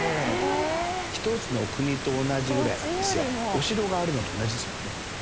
お城があるのと同じですもんね。